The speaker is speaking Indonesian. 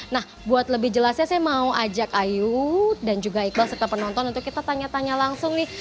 nah buat lebih jelasnya saya mau ajak ayu dan juga iqbal serta penonton untuk kita tanya tanya langsung nih